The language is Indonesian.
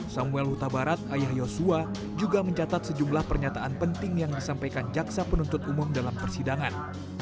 samuel huta barat ayah yosua juga mencatat sejumlah pernyataan penting yang disampaikan jaksa penuntut umum dalam persidangan